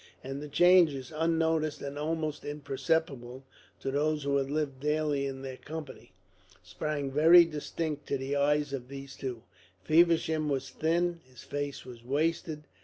And the changes, unnoticed and almost imperceptible to those who had lived daily in their company, sprang very distinct to the eyes of these two. Feversham was thin, his face was wasted.